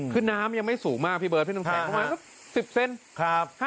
คือน้ำยังไม่สูงมากพี่เบิร์ดพี่นุ่มแขกเข้ามา๑๐เซนติเมตร